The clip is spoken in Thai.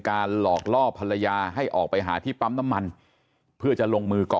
หลอกล่อภรรยาให้ออกไปหาที่ปั๊มน้ำมันเพื่อจะลงมือก่อ